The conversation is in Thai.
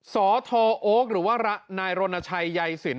สทโอ๊คหรือว่านายรณชัยใยสิน